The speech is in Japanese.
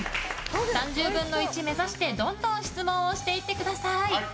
３０分の１目指してどんどん質問していってください。